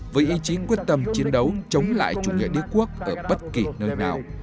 với ý chí quyết tâm chiến đấu chống lại chủ nghĩa đế quốc ở bất kỳ nơi nào